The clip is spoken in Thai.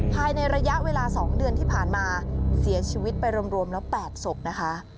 ภายในระยะเวลา๒เดือนที่ผ่านมาเสียชีวิตไปรวมแล้ว๘ศพนะคะ